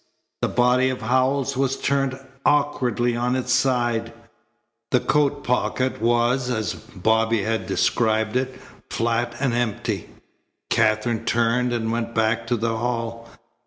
The body of Howells was turned awkwardly on its side. The coat pocket was, as Bobby had described it, flat and empty. Katherine turned and went back to the hall.